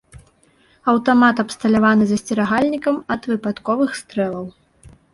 Аўтамат абсталяваны засцерагальнікам ад выпадковых стрэлаў.